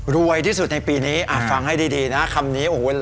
รวยที่สุดในปีนี้ฟังให้ดีนะคำนี้โอ้โห